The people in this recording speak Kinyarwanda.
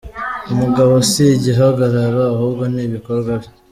Umugabo si igihagararo, ahubwo ni ibikorwa bye.